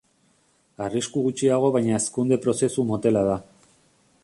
Arrisku gutxiago baina hazkunde prozesu motela da.